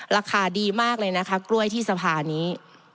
ราคาดีมากเลยนะคะกล้วยที่สภานี้